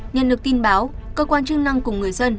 nhận được tin báo cơ quan chức năng cùng người dân